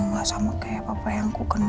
gak sama kayak papa yang ku kenal